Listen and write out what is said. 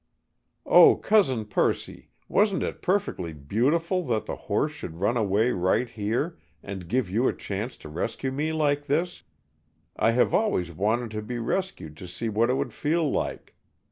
"Oh, Cousin Percy, wasn't it perfectly beautiful that the horse should run away right here and give you a chance to rescue me like this? I have always wanted to be rescued to see what it would feel like.